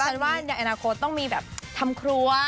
ฉันว่าในอนาคตต้องมีแบบทำครัว